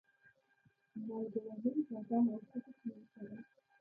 مالګه وهلي بادام او چپس مې وخوړل.